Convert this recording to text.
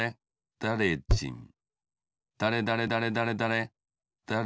だれだれだれだれ